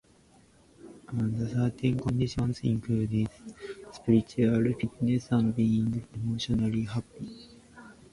And the certain conditions includes spiritual fitness and being emotionally happy.